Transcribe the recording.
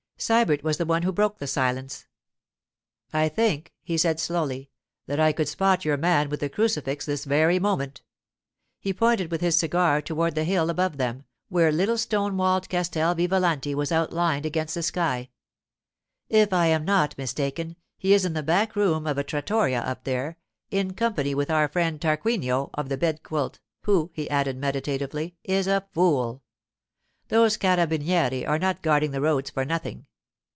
Sybert was the one who broke the silence. 'I think,' he said slowly, 'that I could spot your man with the crucifix this very moment.' He pointed with his cigar toward the hill above them, where little stone walled Castel Vivalanti was outlined against the sky. 'If I am not mistaken, he is in the back room of a trattoria up there, in company with our friend Tarquinio of the Bed quilt, who,' he added meditatively, 'is a fool. Those carabinieri are not guarding the roads for nothing.